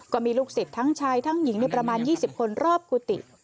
ก็มีลูกศิษย์ทั้งชายทั้งหญิงในประมาณ๒๐คนรอบกุฏิ